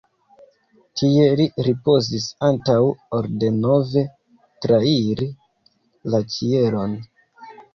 Tie li ripozis antaŭ ol denove trairi la ĉielon.